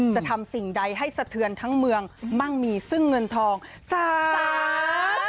จะทำสิ่งใดให้สะเทือนทั้งเมืองมั่งมีซึ่งเงินทองแสน